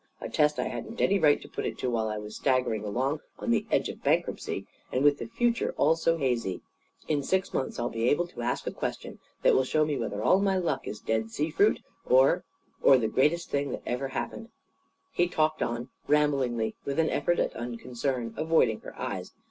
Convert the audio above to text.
A test I hadn't any right to put it to while I was staggering along on the edge of bankruptcy and with the future all so hazy. In six months I'll be able to ask a question that will show me whether all my luck is Dead Sea fruit or or the greatest thing that ever happened." He talked on, ramblingly, with an effort at unconcern; avoiding her eyes.